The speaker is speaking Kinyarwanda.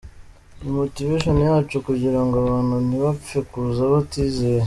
Ni motivation yacu kugira ngo abantu ntibapfe kuza batizeye.